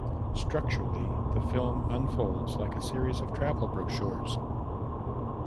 Structurally, the film unfolds like a series of travel brochures.